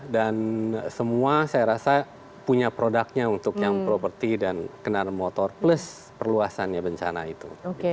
dan semua saya rasa punya produknya untuk yang properti dan kendaraan motor plus perluasannya bencana itu